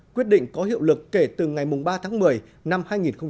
quyết định có hiệu lực kể từ ngày ba tháng một mươi năm hai nghìn một mươi chín